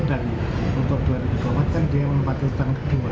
dan untuk dua ribu dolar kan dia melepati tangan kedua